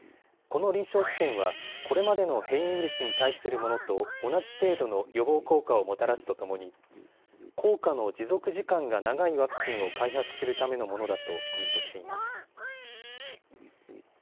この臨床試験はこれまでの変異ウイルスに対するものと同じ程度の予防効果をもたらすとともに効果の持続時間が長いワクチンを開発するためのものだとコメントしています。